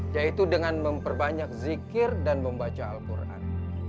yaitu dengan memperbanyak zikir dan membaca al quran